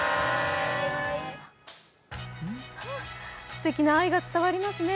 すてきな愛が伝わりますね。